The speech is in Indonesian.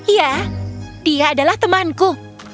ya dia adalah temanku